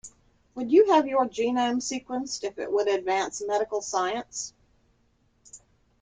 Would you have your genome sequenced if it would advance medical science?